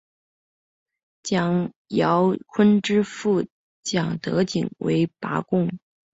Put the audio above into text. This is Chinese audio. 蒋兆鲲之父蒋德璟为拔贡。